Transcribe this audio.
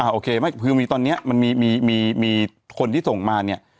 อ่าโอเคไม่คือมีตอนเนี้ยมันมีมีมีมีคนที่ส่งมาเนี้ย